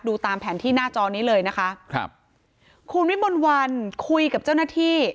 ตามแผนที่หน้าจอนี้เลยนะคะครับคุณวิมลวันคุยกับเจ้าหน้าที่